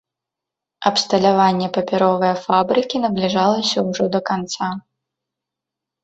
Абсталяванне папяровае фабрыкі набліжалася ўжо да канца.